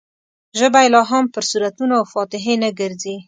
ژبه یې لا هم پر سورتونو او فاتحې نه ګرځي.